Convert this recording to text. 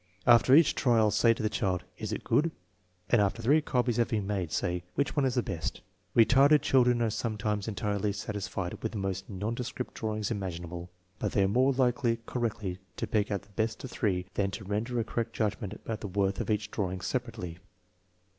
After each trial, say to the child: "Is it good? " And after the three copies have been made say: " Which one is the best ?" Retarded children are sometimes entirely satis fied with the most nondescript drawings imaginable, but they are more likely correctly to pick out the best of three than to render a correct judgment about the worth of each drawing separately.